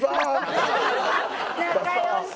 仲良し！